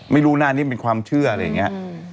ไม่รู้หน้านี้เป็นความเชื่ออะไรอย่างนี้